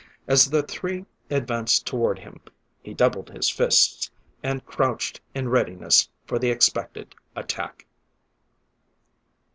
As the three advanced toward him, he doubled his fists, and crouched in readiness for the expected attack.